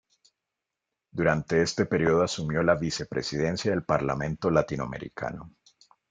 Durante este período asumió la vicepresidencia del Parlamento Latinoamericano.